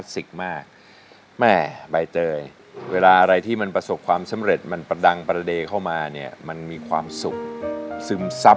ลุกขึ้นเย็นปรบมือให้น้องใบเตยนะครับ